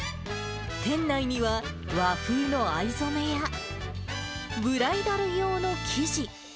店内には和風の藍染めや、ブライダル用の生地。